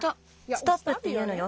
「ストップ」っていうのよ。